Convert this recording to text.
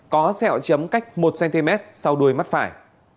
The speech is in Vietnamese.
có sẹo chấm cách một cm sau đuôi mắt phải